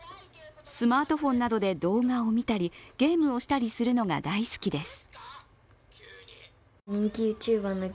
スマートフォンなどで動画を見たりゲームをしたりするのが大好きです。